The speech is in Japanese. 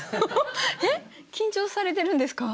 えっ緊張されてるんですか？